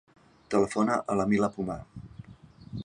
Telefona a la Mila Pumar.